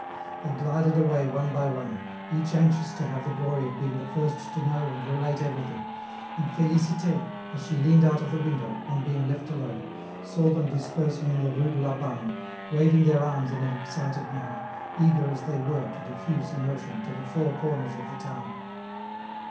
They glided away one by one, each anxious to have the glory of being the first to know and relate everything, and Félicité, as she leaned out of the window, on being left alone, saw them dispersing in the Rue de la Banne, waving their arms in an excited manner, eager as they were to diffuse emotion to the four corners of the town.